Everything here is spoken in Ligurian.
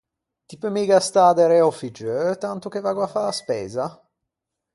Ti peu miga stâ derê a-o figgeu tanto che vaggo à fâ a speisa?